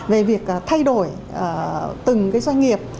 về việc thay đổi từng cái doanh nghiệp